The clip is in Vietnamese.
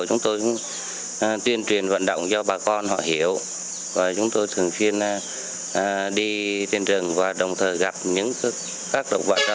chúng tôi tuyên truyền vận động do bà con họ hiểu và chúng tôi thường xuyên đi trên rừng và đồng thời gặp những sức khỏe